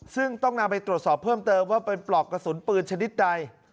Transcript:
ซึ่งต้องนำไปตรวจสอบเพิ่มเติมว่าเป็นปลอกกระสุนปืนชนิดใด